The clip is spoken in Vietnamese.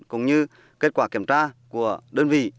cũng như kết quả kiểm tra của đơn vị